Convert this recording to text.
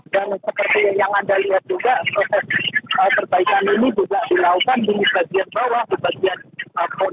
dan seperti yang anda lihat juga proses perbaikan ini juga dilakukan di bagian bawah di bagian depan